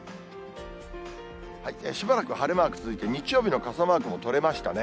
しばらく晴れマーク続いて、日曜日の傘マークも取れましたね。